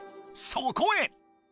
そこへ！